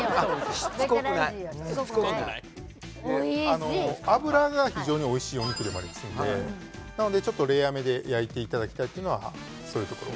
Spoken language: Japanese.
あの脂が非常においしいお肉でもありますのでなのでちょっとレアめで焼いていただきたいっていうのはそういうところ。